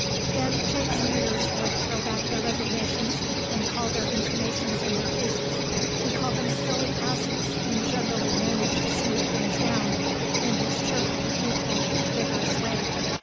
Then James Peters would throw back their resignations and their intimations in their faces, and call them silly asses and generally manage to smooth things down in his cheerful, youthful, vigorous way.